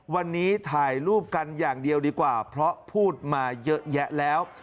วันนี้ถ่ายรูปกันอย่างเดียวดีกว่าเพราะพูดมาเยอะแยะแล้ว